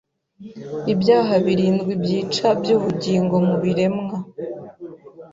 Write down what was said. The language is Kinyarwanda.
Ibyaha birindwi byica byubugingo Mubiremwa